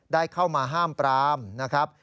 ได้เข้ามาห้ามปรามนะครับ